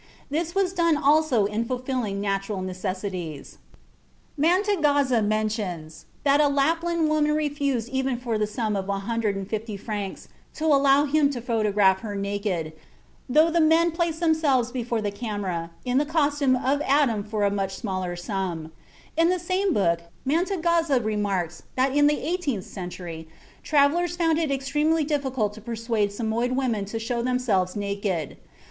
This was done also in fulfilling natural necessities." (Wellhausen, Reste Arabischen Heidentums, 1897, pp. 173, 195 196.) Mantegazza mentions that a Lapland woman refused even for the sum of 150 francs to allow him to photograph her naked, though the men placed themselves before the camera in the costume of Adam for a much smaller sum. In the same book Mantegazza remarks that in the eighteenth century, travelers found it extremely difficult to persuade Samoyed women to show themselves naked.